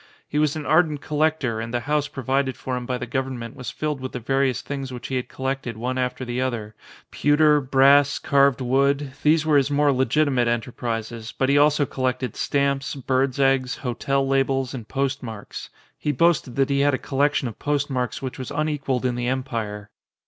He was an ardent collector and the house provided for him by the government was filled with the various things which he had collected one after the other, pewter, brass, carved wood ; these were his more legitimate enterprises; but he also col lected stamps, birds' eggs, hotel labels, and post marks.: he boasted that he had a collection of postmarks which was unequalled in the Empire.